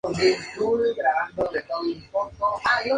Actualmente este fenómeno recibe el nombre de efecto Righi-Leduc.